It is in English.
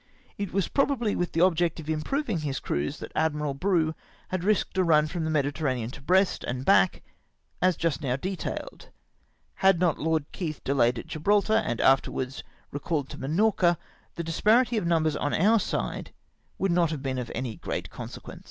It was probably with the object of improving his crews that Admiral Bruix had risked a run from the Mediterranean to Brest and back, as just now detailed. Had not Lord Keith been delayed at Gibraltar, and afterwards recalled to Minorca, the cUsparity of numbers on oiu" side would not have been of any great consequence.